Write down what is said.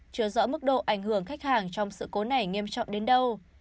chưa rõ mức độ ảnh hưởng khách hàng trong sự cố này nghiêm trọng đến đâu